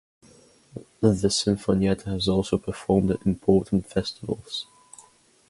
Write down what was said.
The Sinfonietta has also performed at important festivals.